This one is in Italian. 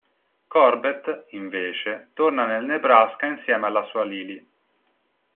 Corbett, invece, torna nel Nebraska insieme alla sua Lili.